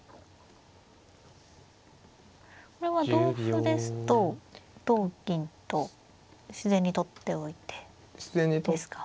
これは同歩ですと同銀と自然に取っておいてですか。